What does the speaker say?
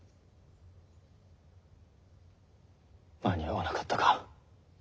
間に合わなかったか。